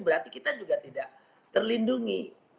berarti kita juga tidak terlindungi